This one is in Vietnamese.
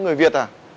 ơ người việt à